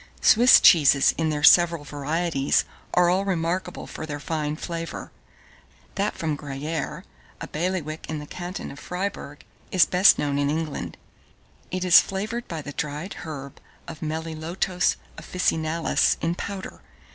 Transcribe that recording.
Swiss cheeses in their several varieties are all remarkable for their fine flavour. That from Gruyère, a bailiwick in the canton of Fribourg, is best known in England. It is flavoured by the dried herb of Melilotos officinalis in powder.